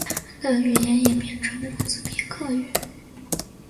他们语言也变成乌兹别克语。